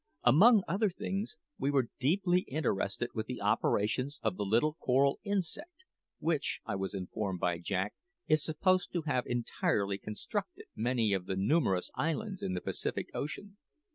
Among other things, we were deeply interested with the operations of the little coral insect, which, I was informed by Jack, is supposed to have entirely constructed many of the numerous islands in the Pacific Ocean.